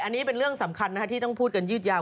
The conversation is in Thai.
อันนี้เป็นเรื่องสำคัญที่ต้องพูดกันยืดยาว